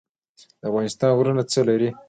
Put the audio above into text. د افغانستان غرونه څه لري؟